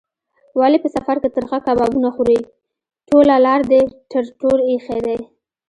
ولې په سفر کې ترخه کبابونه خورې؟ ټوله لار دې ټر ټور ایښی دی.